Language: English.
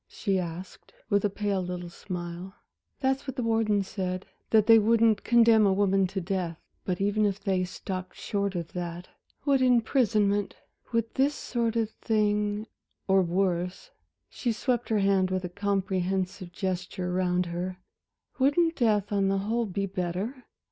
she asked, with a pale little smile. "That's what the warden said that they wouldn't condemn a woman to death. But even if they stopped short of that, would imprisonment would this sort of thing, or worse" she swept her hand with a comprehensive gesture round her "wouldn't death, on the whole, be better?"